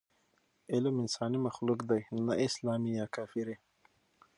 علم انساني مخلوق دی، نه اسلامي یا کافري.